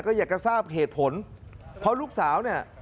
ก็อยากจะทราบเหตุผลเพราะลูกสาวเนี่ย